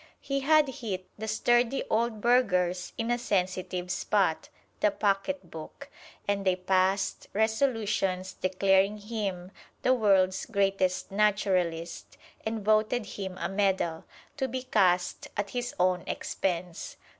He had hit the sturdy old burghers in a sensitive spot the pocketbook and they passed resolutions declaring him the world's greatest naturalist, and voted him a medal, to be cast at his own expense.